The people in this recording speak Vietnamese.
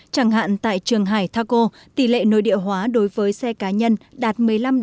chẳng hạn tại trường hải tha cô tỷ lệ nội địa hóa đối với xe cá nhân đạt một mươi năm một mươi tám